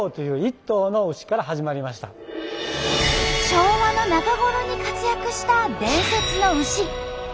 昭和の中頃に活躍した伝説の牛田尻号。